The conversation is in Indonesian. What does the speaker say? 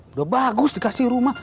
udah bagus dikasih rumah